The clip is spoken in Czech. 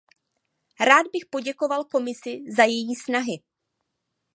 Rád bych poděkoval Komisi za její snahy.